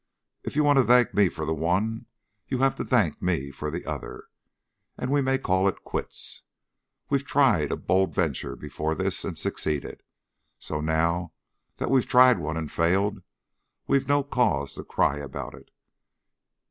If you have to thank me for the one you have to thank me for the other, and we may call it quits. We've tried a bold venture before this and succeeded, so now that we've tried one and failed we've no cause to cry out about it.